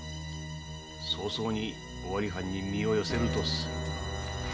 早々に尾張藩に身を寄せるとするか。